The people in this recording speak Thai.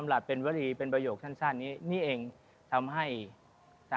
แล้วท่านก็ตรัส